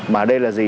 mà đây là gì